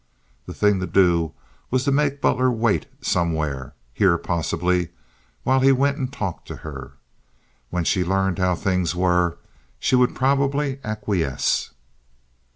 The thing to do was to make Butler wait somewhere—here, possibly—while he went and talked to her. When she learned how things were she would probably acquiesce.